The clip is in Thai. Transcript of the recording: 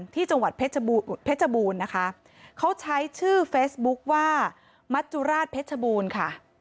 ที่จังหวัดเพชรบูรณ์นะคะเขาใช้ชื่อเฟซบุ๊คว่ามัจจุราชเพชรบูรณ์ค่ะ